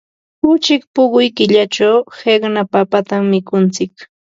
Uchik puquy killachaq qiqna papatam mikuntsik.